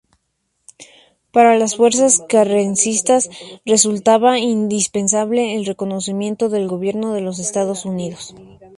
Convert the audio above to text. Para las fuerzas carrancistas resultaba indispensable el reconocimiento del gobierno de los Estados Unidos.